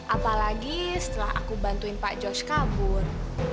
apalagi setelah aku bantuin pak george kabur